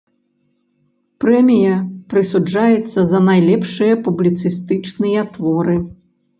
Прэмія прысуджаецца за найлепшыя публіцыстычныя творы.